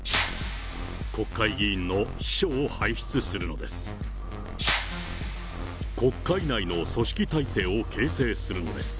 国会議員の秘書を輩出するのです。